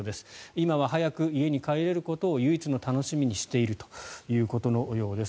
今は早く家に帰れることを唯一の楽しみにしているということのようです。